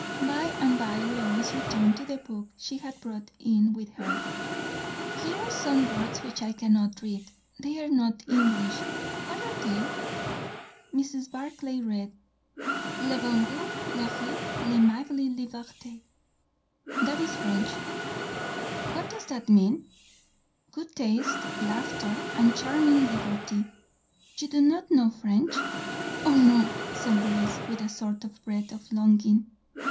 By and by Lois returned to the book she had brought in with her. "Here are some words which I cannot read; they are not English. What are they?" Mrs. Barclay read: "Le bon goût, les ris, l'aimable liberté. That is French." "What does it mean?" "Good taste, laughter, and charming liberty. You do not know French?" "O no," said Lois, with a sort of breath of longing.